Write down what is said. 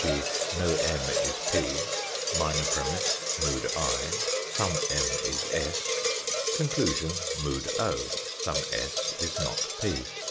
g., no M is P, minor premiss mood I ; some M is s, conclusion, mood p 5 some s is not p.